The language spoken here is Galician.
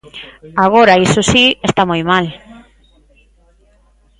Agora, iso si, está moi mal.